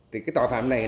thì tội phạm này